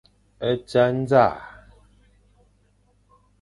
A tsa ndzaʼa.